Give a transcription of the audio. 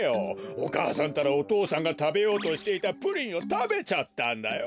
お母さんったらお父さんがたべようとしていたプリンをたべちゃったんだよ。